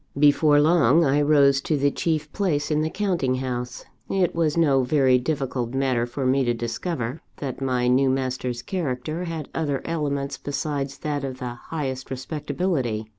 "Before long, I rose to the chief place in the counting house. It was no very difficult matter for me to discover, that my new master's character had other elements besides that of the highest respectability.